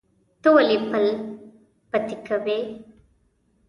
ته ولې پل پتی کوې؟